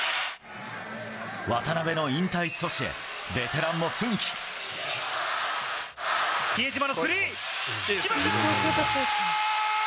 渡邊の引退阻止へ、ベテラン比江島のスリー。決まった！